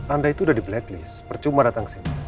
anda itu udah di blacklist percuma datang ke sini